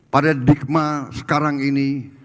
pada digma sekarang ini